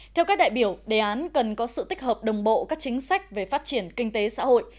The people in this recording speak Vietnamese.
theo các đại biểu đề án cần có sự tích hợp đồng bộ các chính sách về phát triển kinh tế xã hội